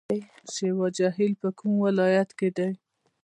شیوا جهیل په کوم ولایت کې دی؟